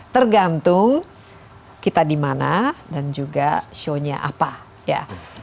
tergantung kita di mana dan juga shownya apa ya